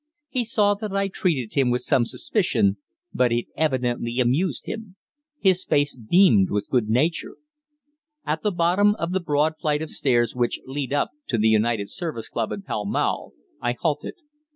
He saw that I treated him with some suspicion, but it evidently amused him. His face beamed with good nature. At the bottom of the broad flight of stairs which lead up to the United Service Club and Pall Mall, I halted.